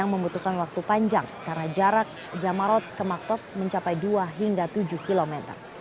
membutuhkan waktu panjang karena jarak jamarot ke maktok mencapai dua hingga tujuh km